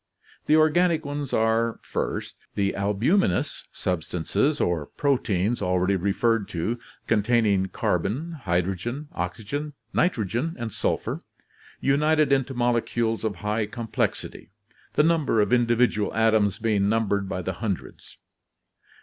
The organic ones are, first, the albuminous substances or proteins already referred to, containing carbon, hydrogen, oxygen, nitrogen, and sulphur, united into molecules of high complexity, the number of individual atoms being numbered by the hundreds.